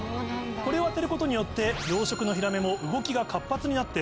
これを当てることによって養殖のヒラメも。